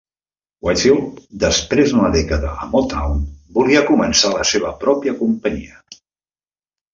Whitfield, després d'una dècada a Motown, volia començar la seva pròpia companyia.